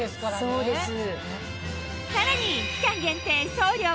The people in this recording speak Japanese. そうです。